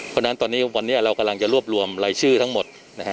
เพราะฉะนั้นวันนี้เรากำลังจะรวบรวมรายชื่อทั้งหมด